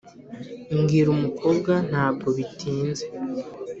mbwira umukobwa, ntabwo bitinze